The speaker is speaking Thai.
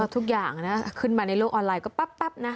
ทุกอย่างนะขึ้นมาในโลกออนไลน์ก็ปั๊บนะ